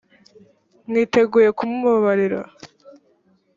mwiteguye kumubabarira